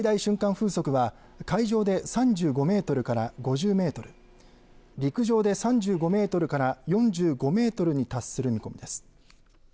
風速は海上で３５メートルから５０メートル、陸上で３５メートルから４５メートルに達する見込みです。